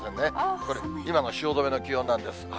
これ、今の汐留の気温なんです。